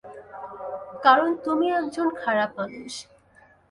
কারণ তুমি একজন খারাপ মানুষ!